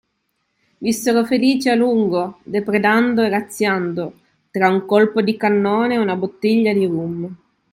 Vissero felici a lungo, depredando e razziando, tra un colpo di cannone e una bottiglia di rum.